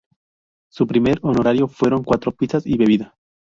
Su primer honorario fueron cuatro pizzas y bebida.